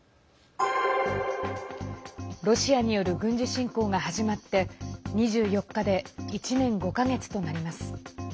ロシアによる軍事侵攻が始まって２４日で１年５か月となります。